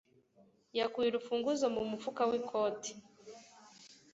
Yakuye urufunguzo mu mufuka w'ikoti.